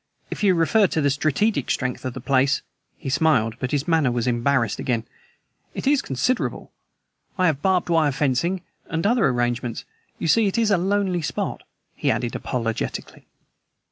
If you refer to the strategic strength of the place" he smiled, but his manner was embarrassed again "it is considerable. I have barbed wire fencing, and other arrangements. You see, it is a lonely spot," he added apologetically.